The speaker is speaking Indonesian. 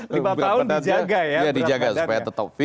lima tahun dijaga ya